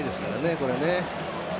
これね。